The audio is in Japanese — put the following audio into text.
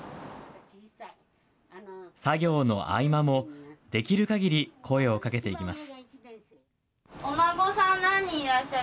作業の合間もできるかぎり声をかけていきます。